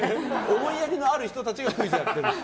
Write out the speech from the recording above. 思いやりのある人たちがクイズをやってるんです。